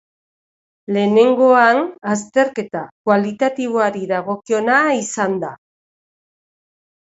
Lehenengoan azterketa kualitatiboari dagokiona izan da.